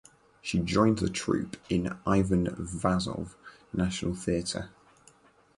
She joined the troupe in Ivan Vazov National Theatre.